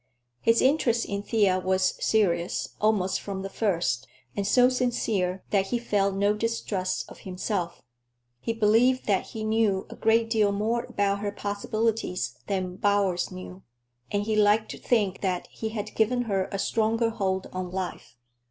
His interest in Thea was serious, almost from the first, and so sincere that he felt no distrust of himself. He believed that he knew a great deal more about her possibilities than Bowers knew, and he liked to think that he had given her a stronger hold on life.